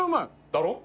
だろ？